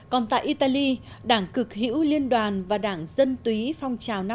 còn tại italy đảng cực hiểu liên đoàn và đảng dân túy phong trào